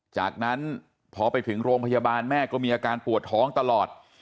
จากนั้นพอไปถึงโรงพยาบาลแม่ก็มีอาการปวดท้องตลอด